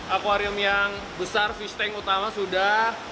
akwarium yang besar fish tank utama sudah